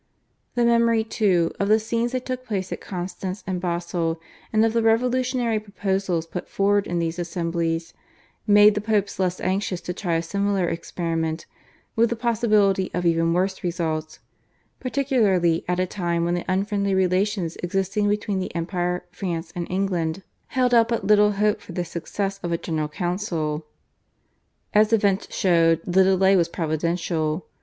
The memory, too, of the scenes that took place at Constance and Basle and of the revolutionary proposals put forward in these assemblies, made the Popes less anxious to try a similar experiment with the possibility of even worse results, particularly at a time when the unfriendly relations existing between the Empire, France, and England held out but little hope for the success of a General Council. As events showed the delay was providential.